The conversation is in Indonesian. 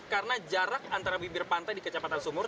karena jarak antara bibir pantai di kecamatan sumur